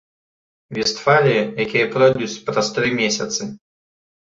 Вестфалія, якія пройдуць праз тры месяцы.